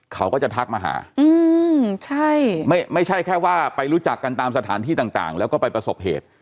เขาก็จะทักมาหาใช่ไม่ใช่แค่ว่าไปรู้จักกันตามสถานที่ต่างแล้วก็ไปประสบเหตุ